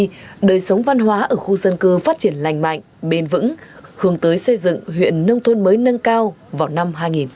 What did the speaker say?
tuy đời sống văn hóa ở khu dân cư phát triển lành mạnh bền vững hướng tới xây dựng huyện nông thôn mới nâng cao vào năm hai nghìn hai mươi